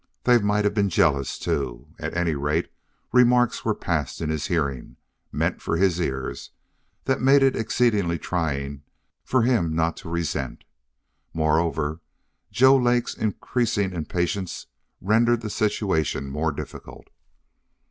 They might have been jealous, too; at any rate, remarks were passed in his hearing, meant for his ears, that made it exceedingly trying for him not to resent. Moreover, Joe Lake's increasing impatience rendered the situation more difficult.